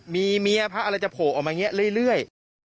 มีเมียพระอะไรจะโผล่ออกมาอย่างนี้เรื่อย